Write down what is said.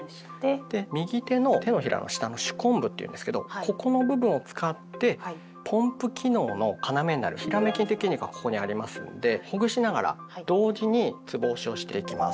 右手の手のひらの下の手根部っていうんですけどここの部分を使ってポンプ機能の要になるヒラメ筋っていう筋肉がここにありますんでほぐしながら同時につぼ押しをしていきます。